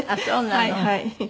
はいはい。